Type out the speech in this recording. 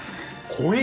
濃い！